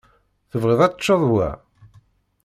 Tebɣiḍ ad teččeḍ wa?